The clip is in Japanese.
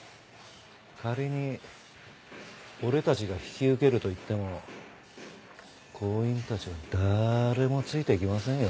仮に俺たちが引き受けると言っても工員たちは誰もついてきませんよ。